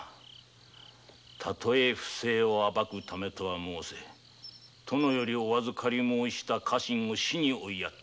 たとえ不正を暴くためとは申せ殿よりお預かり申した家臣を死に追いやった。